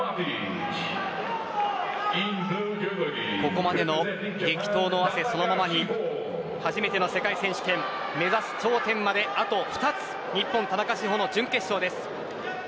ここまでの激闘の汗そのままに初めての世界選手権目指す頂点まであと２つ日本の田中志歩の準決勝です。